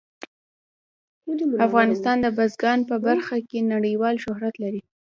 افغانستان د بزګان په برخه کې نړیوال شهرت لري.